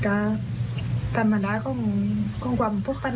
กลับถึงครองขวานไม่แบบคล้าย